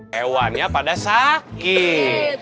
hewannya pada sakit